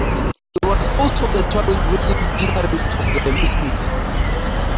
He was also the touring rhythm guitarist for The Misfits.